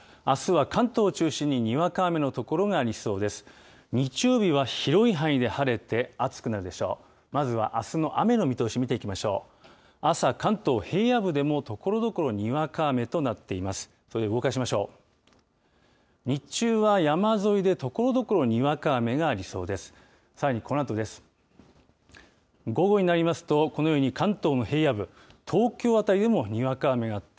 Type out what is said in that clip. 朝、関東平野部でもところどころ、にわか雨となっています。